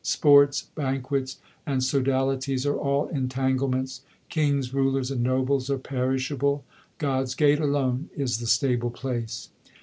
Sports, banquets, and sodalities are all entanglements. Kings, rulers, and nobles are perishable ; God s gate alone is the stable place.